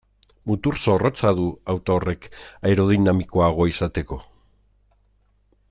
Mutur zorrotza du auto horrek aerodinamikoagoa izateko.